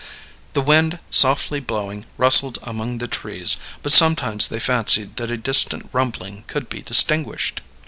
The wind, softly blowing, rustled among the trees, but sometimes they fancied that a distant rumbling could be distinguished.